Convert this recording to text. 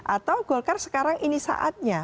atau golkar sekarang ini saatnya